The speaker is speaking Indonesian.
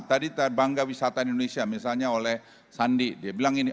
tadi bangga wisata indonesia misalnya oleh sandi dia bilang ini